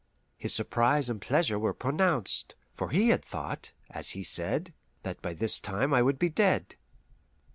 His surprise and pleasure were pronounced, for he had thought (as he said) that by this time I would be dead.